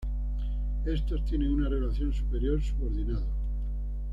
Estos tienen una relación superior-subordinado.